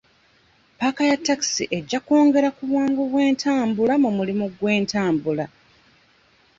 Paaka ya takisi ejja kwongera ku bwangu bw'entambula mu mulimu gw'entambula.